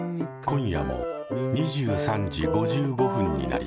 今夜も２３時５５分になりました。